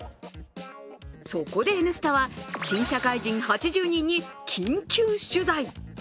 そこで「Ｎスタ」は新社会人８０人に緊急取材。